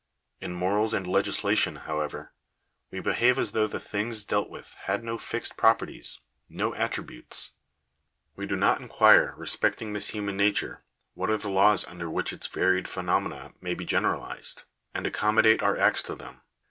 In morals and legislation, however, we behave as though the things dealt with had no fixed properties, no attributes. We do not inquire re specting this human nature what are the laws under which its varied phenomena may be generalized, and accommodate our acts to them.